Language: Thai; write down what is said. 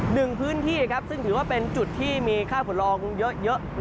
หนึ่งพื้นที่ซึ่งถือว่าเป็นจุดที่มีค่าฝุ่นลองเยอะ